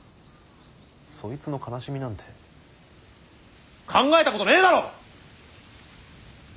そいつの悲しみなんて考えたことねえだろ！